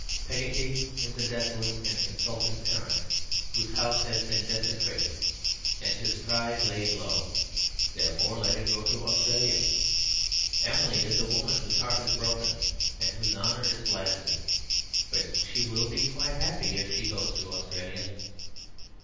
Peggotty is a desolate and insulted parent whose house has been desecrated and his pride laid low; therefore let him go to Australia. Emily is a woman whose heart is broken and whose honour is blasted; but she will be quite happy if she goes to Australia.